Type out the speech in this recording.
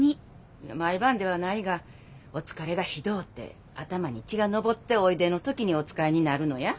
いや毎晩ではないがお疲れがひどうて頭に血が上っておいでの時にお使いになるのや。